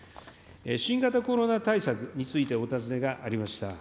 新型コロナ対策についてお尋ねがありました。